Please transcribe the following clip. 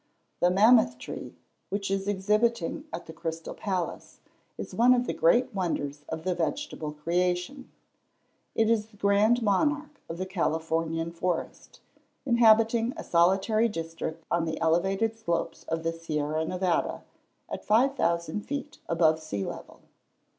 The Mammoth tree, which is exhibiting at the Crystal Palace, is one of the great wonders of the vegetable creation. It is the grand monarch of the Californian forest, inhabiting a solitary district on the elevated slopes of the Sierra Nevada, at 5,000 feet above the sea level.